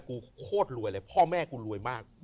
กูโคตรรวยเลยพ่อแม่กูรวยมาก